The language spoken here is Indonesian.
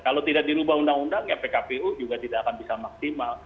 kalau tidak dirubah undang undang ya pkpu juga tidak akan bisa maksimal